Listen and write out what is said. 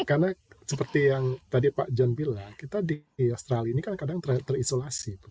karena seperti yang tadi pak john bilang kita di australia ini kan kadang terisolasi